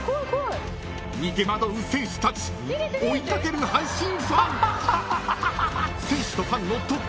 ［逃げ惑う選手たち追い掛ける阪神ファン］